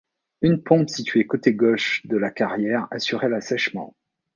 Une pompe située côté gauche de la carrière assurait l'assèchement.